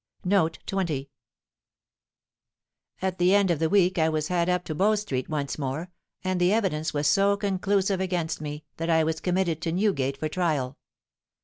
"At the end of the week I was had up to Bow Street once more; and the evidence was so conclusive against me, that I was committed to Newgate for trial.